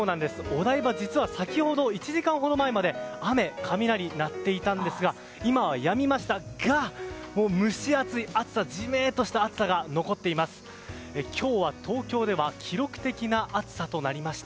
お台場、１時間ほど前まで雨、雷が鳴っていたんですが今はやみましたが、蒸し暑いジメッとした暑さが残っています。